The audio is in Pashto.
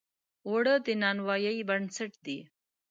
اوړه د نانوایۍ بنسټ دی